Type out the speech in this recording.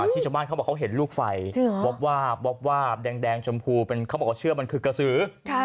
ที่ชาวบ้านเขาบอกเขาเห็นลูกไฟวับวาบแดงชมพูเขาบอกว่าเชือกมันคือกระสือ